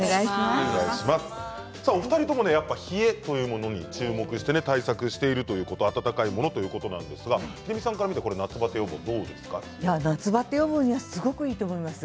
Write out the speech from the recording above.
お二人とも冷えというものに注目して対策しているということ温かいものということですが秀美さんから見て夏バテ予防には予防にすごくいいと思います。